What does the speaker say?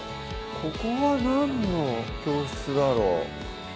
ここは何の教室だろう